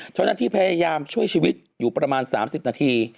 เจ้าหน้าที่พยายามช่วยชีวิตอยู่ประมาณ๓๐นาที